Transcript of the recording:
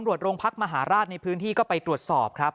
ตรงการองค์พักธรรมศาสตร์มหาราชในพื้นที่ไปตรวจสอบครับ